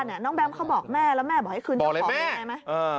อยู่ในบ้านน้องแบ๊มเขาบอกแม่แล้วแม่บอกให้คุณจะขอแม่ไหม